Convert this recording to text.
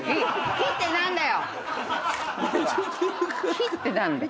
「木」って何だよ？